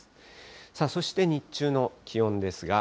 さあ、そして日中の気温ですが。